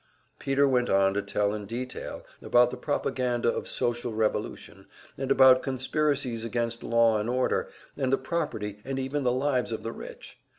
Peter went on to tell in detail about the propaganda of social revolution, and about conspiracies against law and order, and the property and even the lives of the rich.